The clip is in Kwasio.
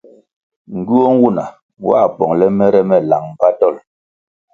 Ngywuoh nwuna nwā pongʼle mere me lang mbpa dolʼ.